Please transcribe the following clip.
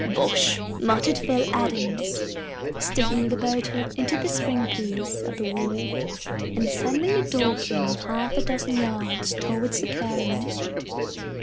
"Bosh!" muttered Phil Adams, sticking the boat hook into the string piece of the wharf, and sending the Dolphin half a dozen yards towards the current.